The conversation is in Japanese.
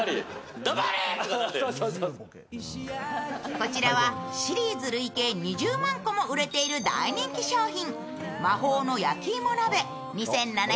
こちらはシリーズ累計２０万個も売れている大人気商品。